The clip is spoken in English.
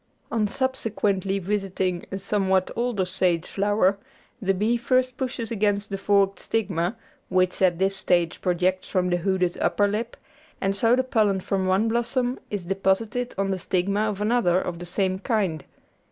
On subsequently visiting a somewhat older sage flower the bee first pushes against the forked stigma, which at this stage projects from the hooded upper lip, and so the pollen from one blossom is deposited on the stigma of another of the same kind.